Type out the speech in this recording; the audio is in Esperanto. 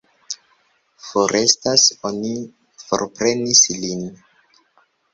Forestas, oni forprenis lin.